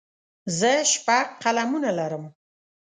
زه شپږ قلمونه لرم.